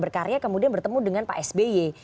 berkarya kemudian bertemu dengan pak sby